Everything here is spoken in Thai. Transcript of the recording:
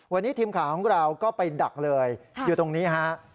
วันนี้ทีมข่าวของเราก็ไปดักเลยอยู่ตรงนี้ฮะ